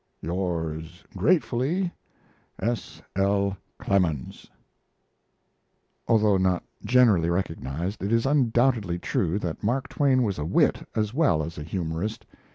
Yours gratefully, S. L. CLEMENS. Although not generally recognized, it is undoubtedly true that Mark Twain was a wit as well as a humorist.